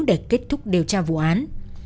để kết thúc điều tra vụ án